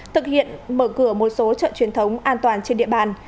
thực hiện mở cửa một số chợ truyền thống an toàn trên địa bàn